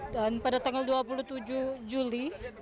dan pada tanggal dua puluh tujuh juli